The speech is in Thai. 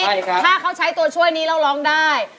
ถ้าเขาใช้ตัวช่วยนี้แล้วร้องได้